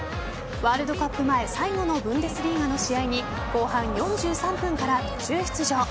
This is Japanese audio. ワールドカップ前最後のブンデスリーガの試合に後半４３分から途中出場。